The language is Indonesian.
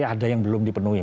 ada yang belum dipenuhi